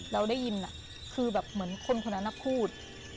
เราได้ยินคือแบบเหมือนคนคนนั้นพูด